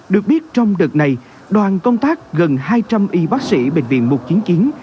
được biết trong đợt này đoàn công tác gần hai trăm linh y bác sĩ bệnh viện một chiến chiến